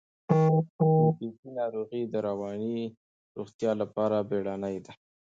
پي پي پي ناروغي د رواني روغتیا لپاره بیړنۍ ده.